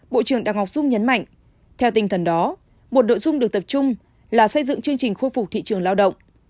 bộ trưởng đào ngọc dung nhấn mạnh theo tinh thần đó một nội dung được tập trung là xây dựng chương trình khôi phục thị trường lao động